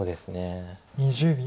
２０秒。